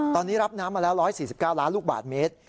ตอนนี้รับน้ำมาแล้ว๑๔๙ล้านลูกบาทเมตร